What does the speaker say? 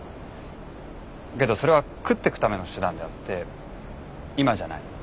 けどそれは食ってくための手段であって今じゃない。